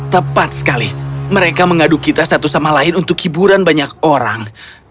tepat sekali mereka mengadu kita satu sama lain untuk hiburan banyak orang